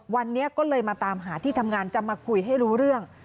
วันนี้ก็เลยมาตามหาที่ทำงานจะมาคุยให้รู้เรื่อง